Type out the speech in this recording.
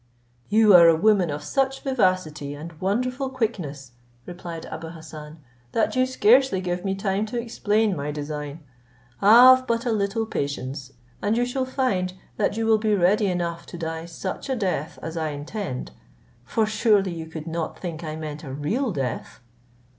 "You are a woman of such vivacity and wonderful quickness," replied Abou Hassan, "that you scarcely give me time to explain my design. Have but a little patience, and you shall find that you will be ready enough to die such a death as I intend; for surely you could not think I meant a real death?"